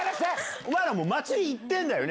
お前ら、祭り行ってるんだよね。